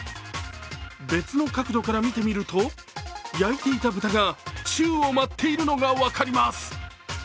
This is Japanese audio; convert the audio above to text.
別の角度から見てみると焼いていた豚が宙を舞っているのが分かります。